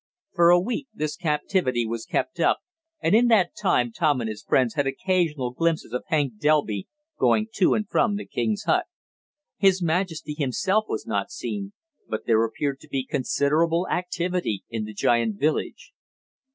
For a week this captivity was kept up, and in that time Tom and his friends had occasional glimpses of Hank Delby going to and from the king's hut. His majesty himself was not seen, but there appeared to be considerable activity in the giant village.